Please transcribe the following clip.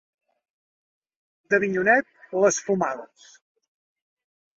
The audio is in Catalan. D'Avinyonet, les fumades.